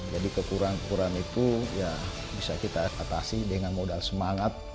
jadi kekurangan kekurangan itu bisa kita atasi dengan modal semangat